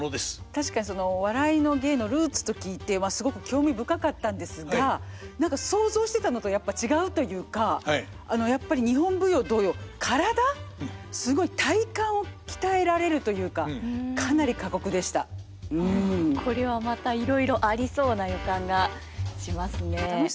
確かに「笑いの芸」のルーツと聞いてすごく興味深かったんですが何か想像してたのとやっぱり違うというかやっぱり日本舞踊同様体すごい体幹を鍛えられるというかこれはまたいろいろありそうな予感がしますね。